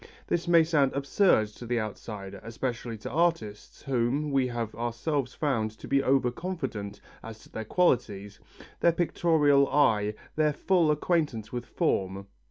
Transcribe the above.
This may sound absurd to the outsider, especially to artists, whom we have ourselves found to be over confident as to their qualities, their pictorial eye, their full acquaintance with form.